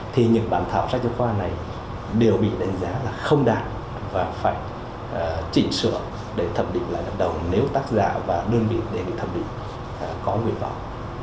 thì những bản thảo sách giáo khoa này đều bị đánh giá là không đạt và phải chỉnh sửa để thẩm định lại hợp đồng nếu tác giả và đơn vị đề nghị thẩm định có nguyện vọng